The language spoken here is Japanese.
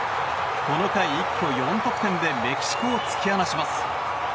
この回、一挙４得点でメキシコを突き放します。